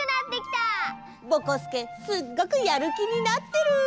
ぼこすけすっごくやるきになってる！